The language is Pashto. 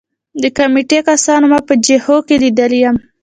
د کمېټې کسانو ما په جبهو کې لیدلی یم